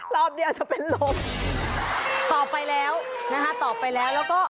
รอบนี้อาจจะเป็นลมต่อไปแล้วนะฮะต่อไปแล้วแล้วก็